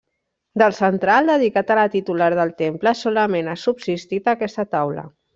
Del central, dedicat a la titular del temple, solament ha subsistit aquesta taula.